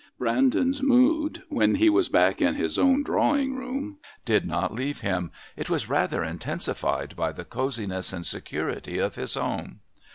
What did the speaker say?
Brandon's mood, when he was back in his own drawing room, did not leave him; it was rather intensified by the cosiness and security of his home.